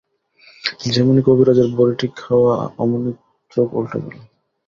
যেমনি কবিরাজের বড়িটি খাওয়া অমনি চোখ উলটে গেল।